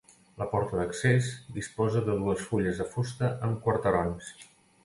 La porta d'accés disposa de dues fulles de fusta amb quarterons.